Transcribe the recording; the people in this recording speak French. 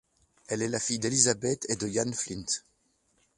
Elle est la fille d'Elizabeth et de Ian Flint.